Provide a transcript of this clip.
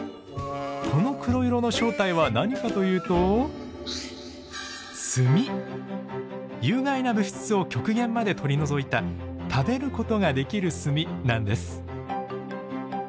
この黒色の正体は何かというと有害な物質を極限まで取り除いた食べることができる炭なんです。